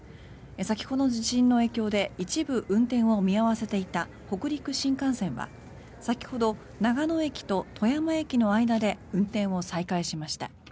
先ほどの地震の影響で一部運転を見合わせていた北陸新幹線は先ほど、長野駅と富山駅の間で運転を再開しました。